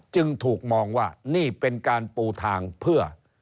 จึงถูกมองว่านี่เป็นการปูทางเพื่อ